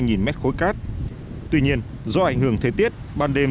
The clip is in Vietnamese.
tuy nhiên do ảnh hưởng thế tiết ban đêm thường xuyên các ngành chức năng nổi trên mặt nước